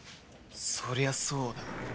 そりゃそうだ